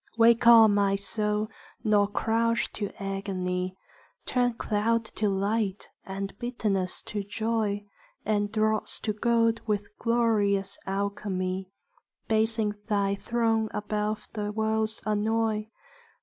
Wake on, my soul, nor crouch to agony: Turn cloud to light, and bitterness to joy, And dross to gold with glorious alchemy, Basing thy throne above the world's annoy.